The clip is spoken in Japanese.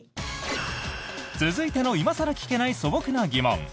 続いての今更聞けない素朴な疑問。